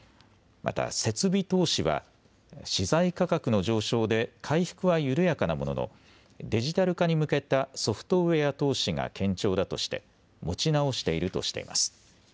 また設備投資は資材価格の上昇で回復は緩やかなもののデジタル化に向けたソフトウェア投資が堅調だとして持ち直しているとしています。